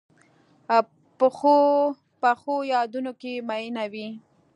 پخو یادونو کې مینه وي